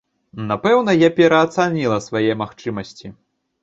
Напэўна, я пераацаніла свае магчымасці.